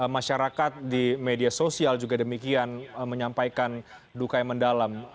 masyarakat di media sosial juga demikian menyampaikan duka yang mendalam